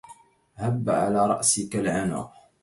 هب على رأسك العنا